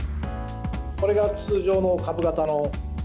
これが通常の株型の。